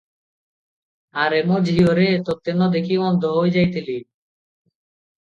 'ଆରେ ମୋଝିଅରେ, ତୋତେ ନ ଦେଖି ଅନ୍ଧ ହୋଇଯାଇଥିଲି ।